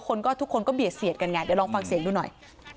ทุกคนก็เบียดเสียดกันไงเดี๋ยวลองฟังเสียงดูหน่อย